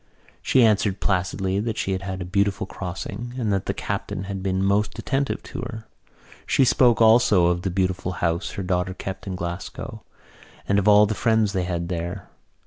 She answered placidly that she had had a beautiful crossing and that the captain had been most attentive to her. She spoke also of the beautiful house her daughter kept in Glasgow, and of all the friends they had there.